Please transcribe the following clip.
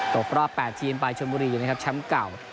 ตกรอบ๘ทีมไปชนบุรีนะครับแชมป์เก่า